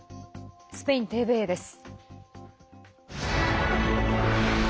スペインＴＶＥです。